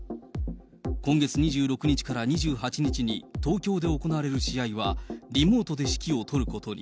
今月２６日から２８日に、東京で行われる試合は、リモートで指揮を執ることに。